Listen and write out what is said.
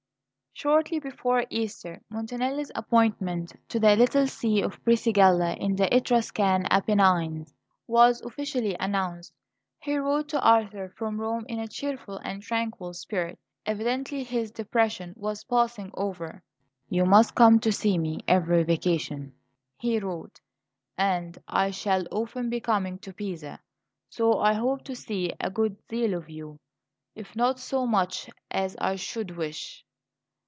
Shortly before Easter Montanelli's appointment to the little see of Brisighella, in the Etruscan Apennines, was officially announced. He wrote to Arthur from Rome in a cheerful and tranquil spirit; evidently his depression was passing over. "You must come to see me every vacation," he wrote; "and I shall often be coming to Pisa; so I hope to see a good deal of you, if not so much as I should wish."